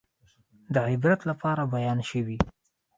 د عبرت لپاره بیان شوي.